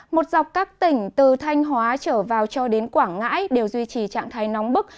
một dọc các tỉnh từ thanh hóa trở vào cho đến quảng ngãi đều duy trì trạng thái nóng bức